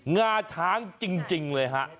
งาช้างจริงเลยฮะ